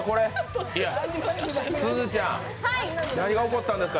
すずちゃん、何が起こったんですか？